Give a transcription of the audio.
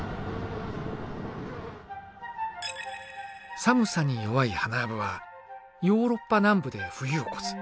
寒さに弱いハナアブはヨーロッパ南部で冬を越す。